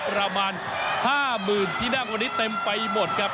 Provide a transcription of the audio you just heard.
ประมาณ๕๐๐๐ที่นั่งวันนี้เต็มไปหมดครับ